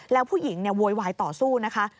แล้วผู้หญิงโวยวายต่อสู้นะคะ